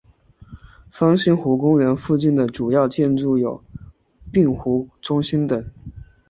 方兴湖公园附近的主要建筑有滨湖中心等。